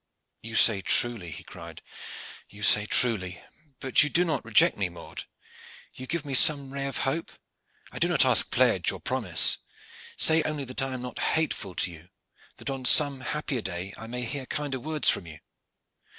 "You say truly," he cried, "you say truly. But you do not reject me, Maude? You give me some ray of hope? I do not ask pledge or promise. Say only that I am not hateful to you that on some happier day I may hear kinder words from you."